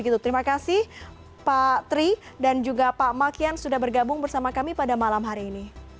terima kasih pak tri dan juga pak makian sudah bergabung bersama kami pada malam hari ini